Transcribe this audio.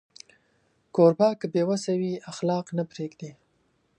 کوربه که بې وسی وي، اخلاق نه پرېږدي.